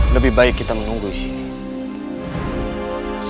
lebih baik kita menunggu sih